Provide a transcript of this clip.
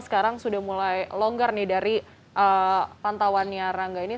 sekarang sudah mulai longgar nih dari pantauannya rangga ini